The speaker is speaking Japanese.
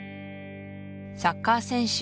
サッカー選手